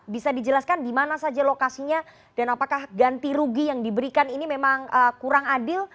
bisa dijelaskan di mana saja lokasinya dan apakah ganti rugi yang diberikan ini memang kurang adil